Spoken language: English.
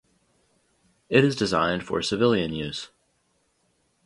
It is designed for civilian use.